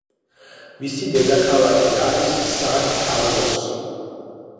მისი დედაქალაქი არის სან კარლოსი.